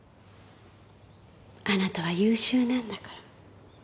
あなたは優秀なんだから。